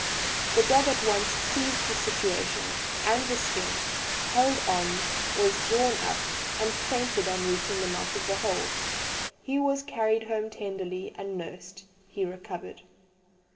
The dog at once seized the situation and the skin held on, was drawn up, and fainted on reaching the mouth of the hole. He was carried home tenderly and nursed; he recovered."